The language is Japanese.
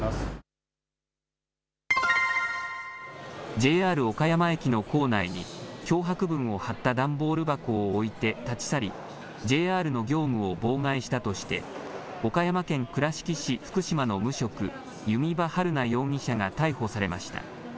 ＪＲ岡山駅の構内に脅迫文を貼った段ボール箱を置いて立ち去り、ＪＲの業務を妨害したとして岡山県倉敷市福島の無職、弓場晴菜容疑者が逮捕されました。